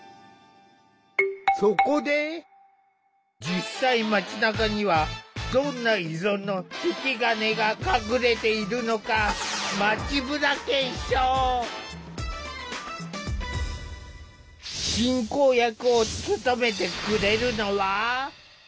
実際街なかにはどんな依存の引き金が隠れているのか進行役を務めてくれるのは。